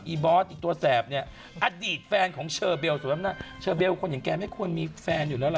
บอสอีกตัวแสบเนี่ยอดีตแฟนของเชอเบลสำหรับเชอเบลคนอย่างแกไม่ควรมีแฟนอยู่แล้วล่ะ